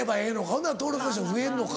ほんなら登録者数も増えるのか。